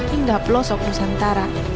hingga pelosok nusantara